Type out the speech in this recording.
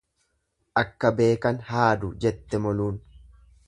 Akka beekan haadu jette moluun.